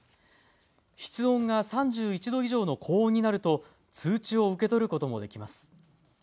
室温が３１度以上の高温になると通知を受け取ることもできます。